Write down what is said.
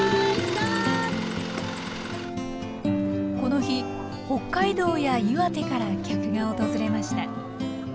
この日北海道や岩手から客が訪れました。